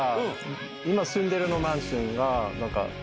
今住んでるマンションが何か。